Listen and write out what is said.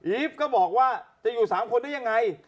ฟก็บอกว่าจะอยู่๓คนได้ยังไง